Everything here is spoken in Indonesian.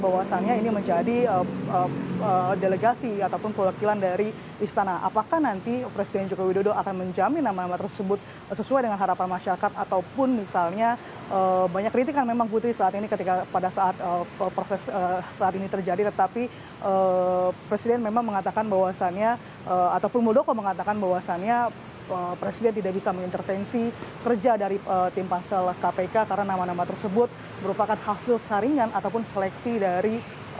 apakah nanti bahwasannya ini menjadi delegasi ataupun kolektilan dari istana apakah nanti presiden jokowi dodo akan menjamin nama nama tersebut sesuai dengan harapan masyarakat ataupun misalnya banyak kritik kan memang putri saat ini ketika pada saat proses saat ini terjadi tetapi presiden memang mengatakan bahwasannya ataupun muldoko mengatakan bahwasannya presiden tidak bisa mengintervensi kerja dari tim kansel kpk karena nama nama tersebut merupakan hasil saringan ataupun seleksi dari tim kansel kpk